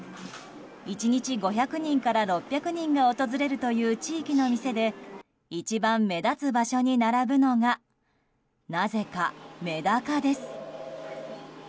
１日５００人から６００人が訪れるという地域の店で一番目立つ場所に並ぶのがなぜかメダカです。